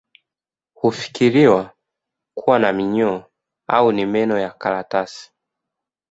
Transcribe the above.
Hufikiriwa kuwa na minyoo au ni meno ya karatasi